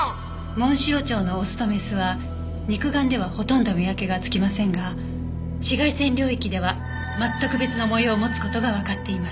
モンシロチョウのオスとメスは肉眼ではほとんど見分けがつきませんが紫外線領域では全く別の模様を持つ事がわかっています。